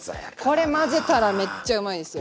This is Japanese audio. これ混ぜたらめっちゃうまいですよ。